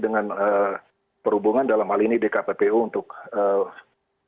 silabeth removable polin terhadap sepak sedikit